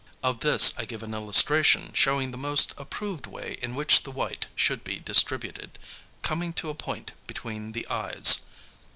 Of this I give an illustration, showing the most approved way in which the white should be distributed, coming to a point between the eyes.